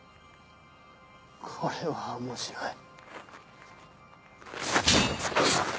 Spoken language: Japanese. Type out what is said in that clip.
これは面白い。